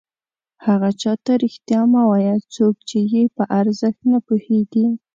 هغه چاته رښتیا مه وایه څوک چې یې په ارزښت نه پوهېږي.